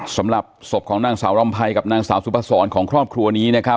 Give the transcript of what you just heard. สำหรับศพของนางสาวรำไพรกับนางสาวสุภาษรของครอบครัวนี้นะครับ